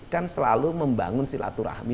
kan selalu membangun silaturahmi